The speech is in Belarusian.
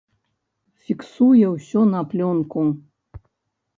Фіксуе ўсё на плёнку.